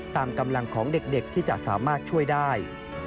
ตามกำลังของเด็กที่จะสามารถช่วยได้